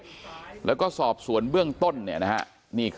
เป็นมีดปลายแหลมยาวประมาณ๑ฟุตนะฮะที่ใช้ก่อเหตุ